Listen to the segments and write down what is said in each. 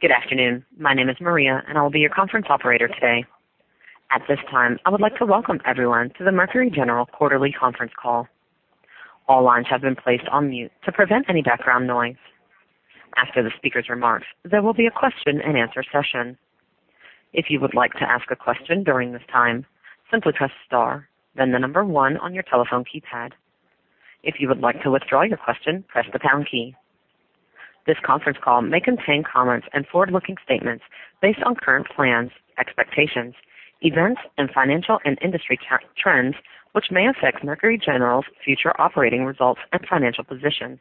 Good afternoon. My name is Maria. I will be your conference operator today. At this time, I would like to welcome everyone to the Mercury General quarterly conference call. All lines have been placed on mute to prevent any background noise. After the speaker's remarks, there will be a question-and-answer session. If you would like to ask a question during this time, simply press star, then the number 1 on your telephone keypad. If you would like to withdraw your question, press the pound key. This conference call may contain comments and forward-looking statements based on current plans, expectations, events, and financial and industry trends, which may affect Mercury General's future operating results and financial position.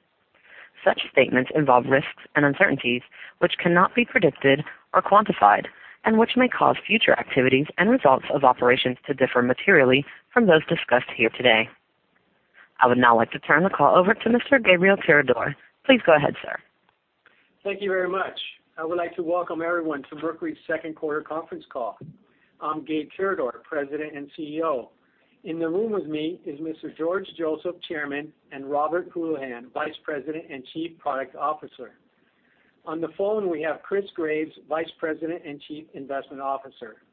Such statements involve risks and uncertainties which cannot be predicted or quantified, which may cause future activities and results of operations to differ materially from those discussed here today. I would now like to turn the call over to Mr. Gabriel Tirador. Please go ahead, sir. Thank you very much. I would like to welcome everyone to Mercury's second quarter conference call. I'm Gabe Tirador, President and CEO. In the room with me is Mr. George Joseph, Chairman. Robert Houlihan, Vice President and Chief Product Officer. On the phone, we have Chris Graves, Vice President and Chief Investment Officer.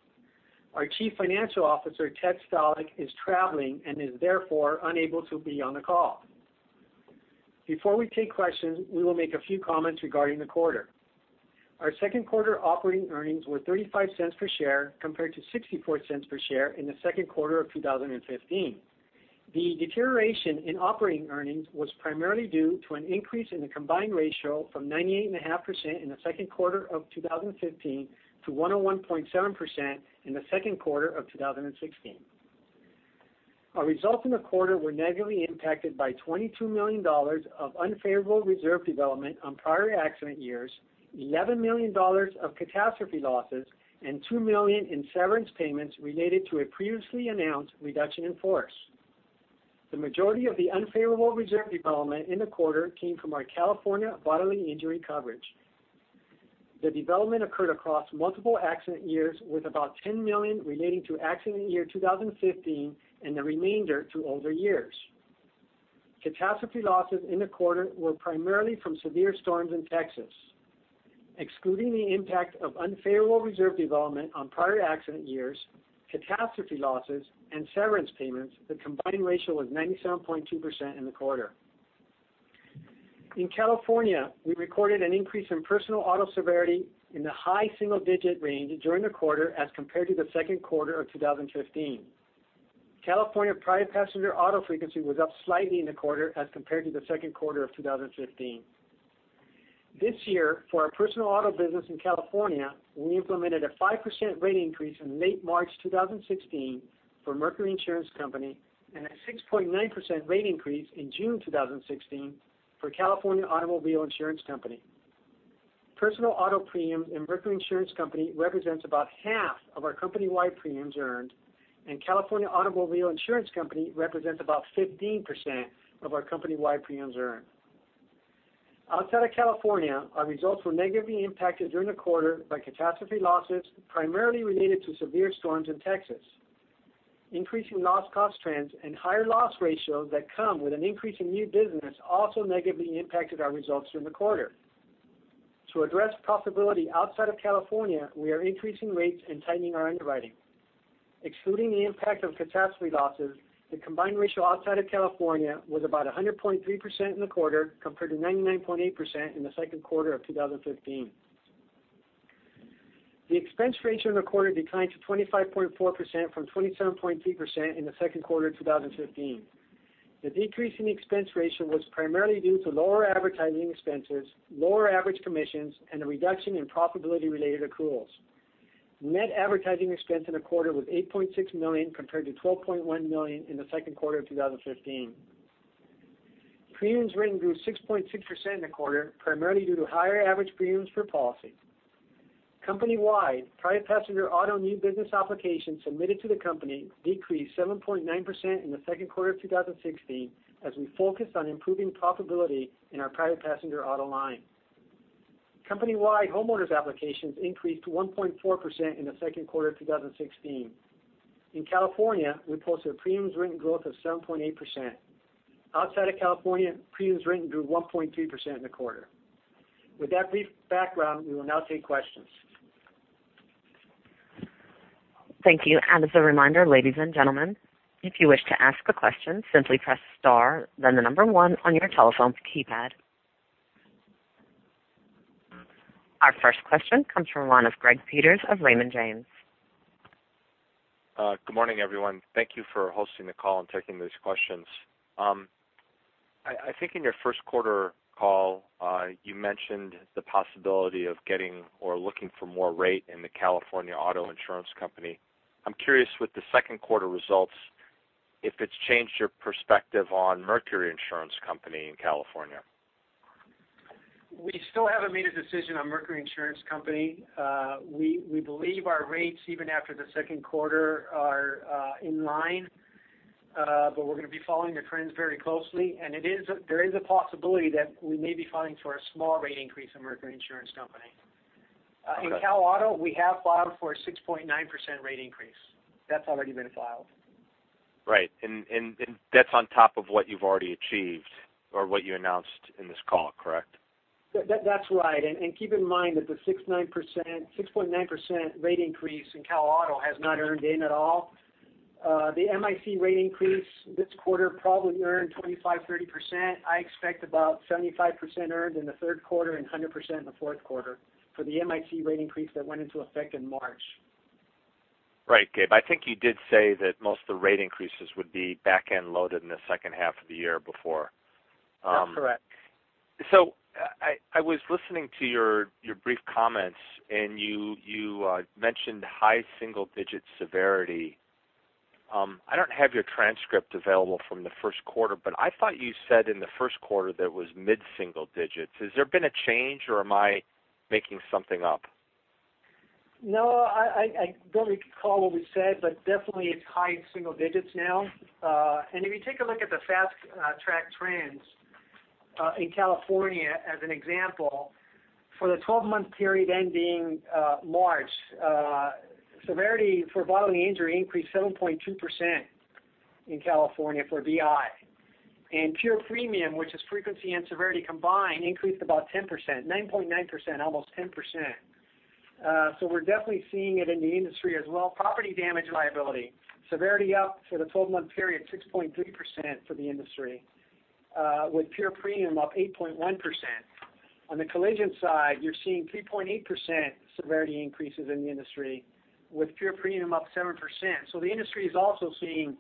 Our Chief Financial Officer, Ted Staal, is traveling. He is therefore unable to be on the call. Before we take questions, we will make a few comments regarding the quarter. Our second quarter operating earnings were $0.35 per share, compared to $0.64 per share in the second quarter of 2015. The deterioration in operating earnings was primarily due to an increase in the combined ratio from 98.5% in the second quarter of 2015 to 101.7% in the second quarter of 2016. Our results in the quarter were negatively impacted by $22 million of unfavorable reserve development on prior accident years, $11 million of catastrophe losses. $2 million in severance payments related to a previously announced reduction in force. The majority of the unfavorable reserve development in the quarter came from our California bodily injury coverage. The development occurred across multiple accident years, with about $10 million relating to accident year 2015 and the remainder to older years. Catastrophe losses in the quarter were primarily from severe storms in Texas. Excluding the impact of unfavorable reserve development on prior accident years, catastrophe losses, and severance payments, the combined ratio was 97.2% in the quarter. In California, we recorded an increase in personal auto severity in the high single-digit range during the quarter as compared to the second quarter of 2015. California private passenger auto frequency was up slightly in the quarter as compared to the second quarter of 2015. This year, for our personal auto business in California, we implemented a 5% rate increase in late March 2016 for Mercury Insurance Company and a 6.9% rate increase in June 2016 for California Automobile Insurance Company. Personal auto premiums in Mercury Insurance Company represents about half of our company-wide premiums earned, and California Automobile Insurance Company represents about 15% of our company-wide premiums earned. Outside of California, our results were negatively impacted during the quarter by catastrophe losses, primarily related to severe storms in Texas. Increasing loss cost trends and higher loss ratios that come with an increase in new business also negatively impacted our results during the quarter. To address profitability outside of California, we are increasing rates and tightening our underwriting. Excluding the impact of catastrophe losses, the combined ratio outside of California was about 100.3% in the quarter, compared to 99.8% in the second quarter of 2015. The expense ratio in the quarter declined to 25.4% from 27.3% in the second quarter of 2015. The decrease in the expense ratio was primarily due to lower advertising expenses, lower average commissions, and a reduction in profitability-related accruals. Net advertising expense in the quarter was $8.6 million, compared to $12.1 million in the second quarter of 2015. Premiums written grew 6.6% in the quarter, primarily due to higher average premiums per policy. Company-wide, private passenger auto new business applications submitted to the company decreased 7.9% in the second quarter of 2016 as we focused on improving profitability in our private passenger auto line. Company-wide homeowners applications increased 1.4% in the second quarter of 2016. In California, we posted a premiums written growth of 7.8%. Outside of California, premiums written grew 1.2% in the quarter. With that brief background, we will now take questions. Thank you. As a reminder, ladies and gentlemen, if you wish to ask a question, simply press star, then the number 1 on your telephone keypad. Our first question comes from the line of Greg Peters of Raymond James. Good morning, everyone. Thank you for hosting the call and taking these questions. I think in your first quarter call, you mentioned the possibility of getting or looking for more rate in the California Automobile Insurance Company. I'm curious with the second quarter results, if it's changed your perspective on Mercury Insurance Company in California. We still haven't made a decision on Mercury Insurance Company. We believe our rates, even after the second quarter, are in line. We're going to be following the trends very closely, and there is a possibility that we may be filing for a small rate increase in Mercury Insurance Company. Okay. In Cal Auto, we have filed for a 6.9% rate increase. That's already been filed. Right. That's on top of what you've already achieved or what you announced in this call, correct? That's right. Keep in mind that the 6.9% rate increase in Cal Auto has not earned in at all. The MIC rate increase this quarter probably earned 25%, 30%. I expect about 75% earned in the third quarter and 100% in the fourth quarter for the MIC rate increase that went into effect in March. Right. Gabe, I think you did say that most of the rate increases would be back-end loaded in the second half of the year before. That's correct. I was listening to your brief comments, and you mentioned high single-digit severity. I don't have your transcript available from the first quarter, but I thought you said in the first quarter that it was mid-single digits. Has there been a change, or am I making something up? No, I don't recall what we said, but definitely it's high single digits now. If you take a look at the fast track trends in California as an example, for the 12-month period ending March, severity for bodily injury increased 7.2% in California for BI. Pure premium, which is frequency and severity combined, increased about 10%, 9.9%, almost 10%. We're definitely seeing it in the industry as well. Property damage liability, severity up for the 12-month period, 6.3% for the industry, with pure premium up 8.1%. On the collision side, you're seeing 3.8% severity increases in the industry with pure premium up 7%. The industry is also seeing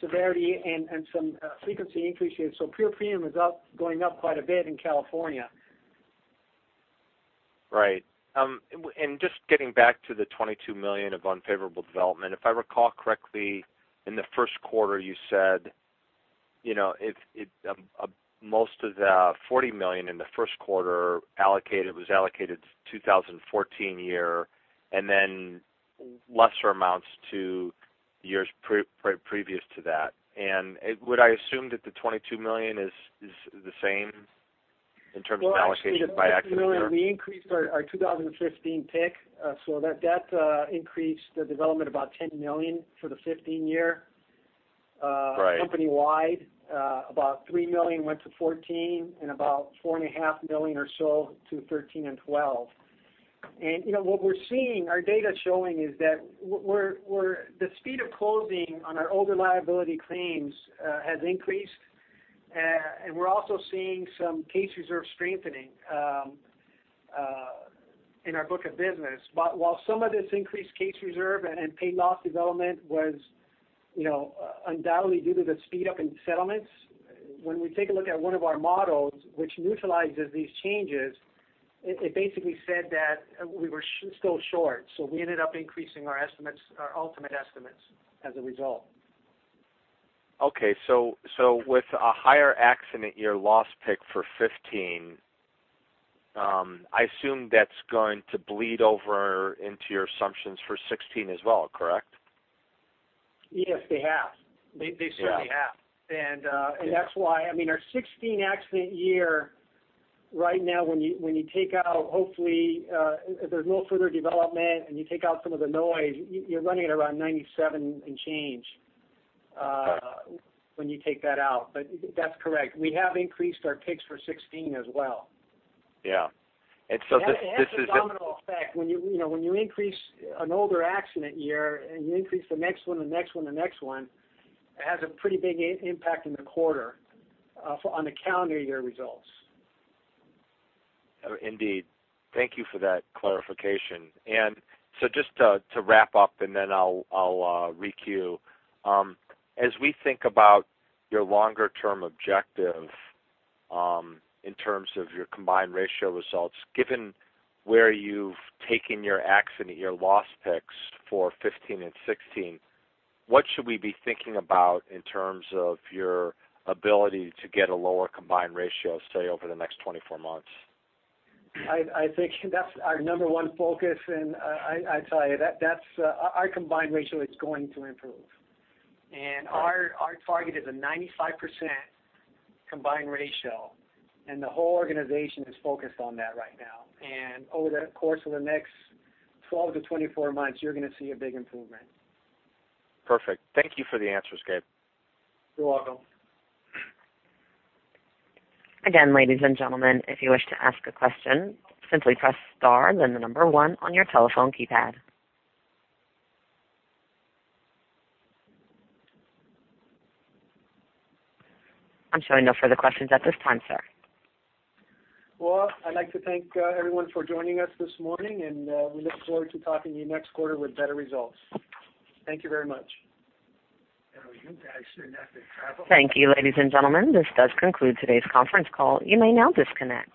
severity and some frequency increases. Pure premium is going up quite a bit in California. Right. Just getting back to the $22 million of unfavorable development. If I recall correctly, in the first quarter, you said most of the $40 million in the first quarter was allocated to 2014 year, then lesser amounts to years previous to that. Would I assume that the $22 million is the same in terms of allocation by accident year? We increased our 2015 pick, so that increased the development about $10 million for the '15 year. Right. Company-wide, about $3 million went to '14 and about $4.5 million or so to '13 and '12. What we're seeing, our data showing is that the speed of closing on our older liability claims has increased, and we're also seeing some case reserve strengthening in our book of business. While some of this increased case reserve and paid loss development was undoubtedly due to the speed-up in settlements, when we take a look at one of our models which neutralizes these changes, it basically said that we were still short. We ended up increasing our ultimate estimates as a result. Okay. With a higher accident year loss pick for 2015, I assume that's going to bleed over into your assumptions for 2016 as well, correct? Yes, they have. They certainly have. Yeah. That's why our 2016 accident year right now, when you take out, hopefully, there's no further development, and you take out some of the noise, you're running at around 97 and change when you take that out. That's correct. We have increased our picks for 2016 as well. Yeah. It has a domino effect. When you increase an older accident year and you increase the next one, the next one, the next one, it has a pretty big impact in the quarter on the calendar year results. Indeed. Thank you for that clarification. Just to wrap up, and then I'll re-queue. As we think about your longer-term objective in terms of your combined ratio results, given where you've taken your accident year loss picks for 2015 and 2016, what should we be thinking about in terms of your ability to get a lower combined ratio, say, over the next 24 months? I think that's our number one focus, I tell you, our combined ratio is going to improve. Our target is a 95% combined ratio, and the whole organization is focused on that right now. Over the course of the next 12-24 months, you're going to see a big improvement. Perfect. Thank you for the answers, Gabe. You're welcome. Ladies and gentlemen, if you wish to ask a question, simply press star, then the number 1 on your telephone keypad. I'm showing no further questions at this time, sir. I'd like to thank everyone for joining us this morning, and we look forward to talking to you next quarter with better results. Thank you very much. Thank you, ladies and gentlemen. This does conclude today's conference call. You may now disconnect.